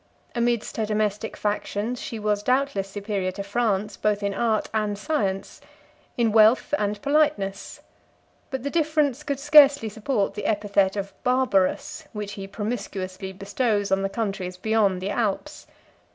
Amidst her domestic factions, she was doubtless superior to France both in art and science, in wealth and politeness; but the difference could scarcely support the epithet of barbarous, which he promiscuously bestows on the countries beyond the Alps.